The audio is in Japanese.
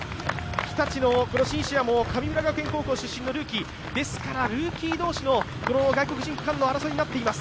日立のシンシアも神村学園高校のルーキー、ルーキー同士の外国人区間の争いになっています。